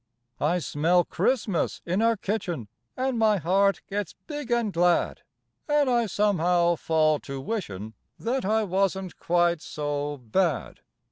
I smell Christmas in our kitchen, An' my heart gets big an' glad, An' I, somehow, fall to wishin', That I wasn't quite so bad.